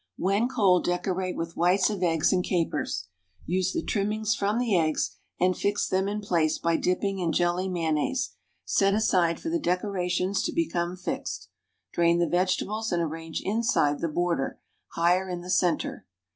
When cold decorate with whites of eggs and capers. Use the trimmings from the eggs, and fix them in place by dipping in jelly mayonnaise. Set aside for the decorations to become fixed. Drain the vegetables and arrange inside the border, higher in the centre.